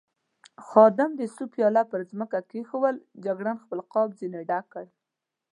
خادم د سوپ پیاله پر مېز کېښوول، جګړن خپل غاب ځنې ډک کړ.